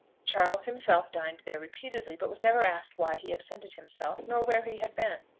Charles himself dined there repeatedly, but was never asked why he absented himself, nor where he had been.